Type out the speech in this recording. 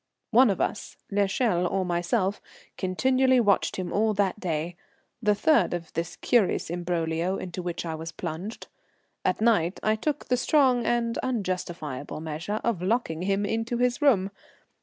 One of us, l'Echelle or myself, continually watched him all that day, the third of this curious imbroglio into which I was plunged. At night I took the strong and unjustifiable measure of locking him into his room.